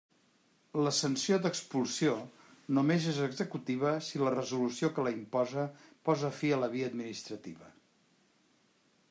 La sanció d'expulsió només és executiva si la resolució que la imposa posa fi a la via administrativa.